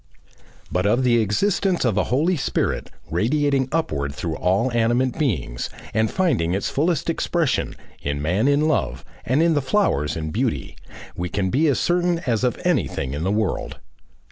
But of the existence of a Holy Spirit radiating upward through all animate beings, and finding its fullest expression, in man in love, and in the flowers in beauty, we can be as certain as of anything in the world.